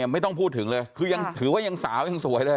ไม่ต้องพูดถึงเลยคือยังถือว่ายังสาวยังสวยเลย